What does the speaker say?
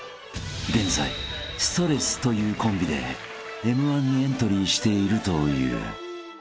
［現在ストレスというコンビでＭ−１にエントリーしているという］